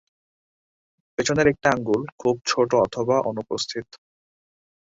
পেছনের একটি আঙুল খুব ছোট অথবা অনুপস্থিত।